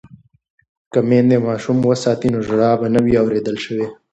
که میندې ماشوم وساتي نو ژړا به نه وي اوریدل شوې.